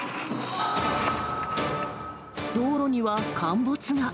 道路には陥没が。